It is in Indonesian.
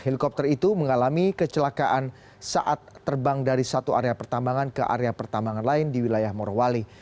helikopter itu mengalami kecelakaan saat terbang dari satu area pertambangan ke area pertambangan lain di wilayah morowali